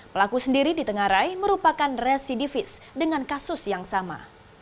pelaku sendiri di tengah rai merupakan residivis dengan kasus yang sama